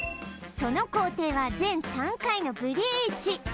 その工程は全３回のブリーチ